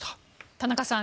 田中さん